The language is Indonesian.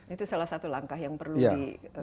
itu salah satu langkah yang perlu di